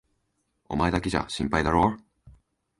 お前だけじゃ心配だろう？